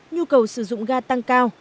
nhu cầu sử dụng ga tăng cao